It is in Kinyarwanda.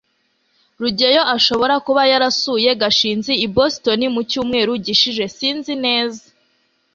rugeyo ashobora kuba yarasuye gashinzi i boston mu cyumweru gishize sinzi neza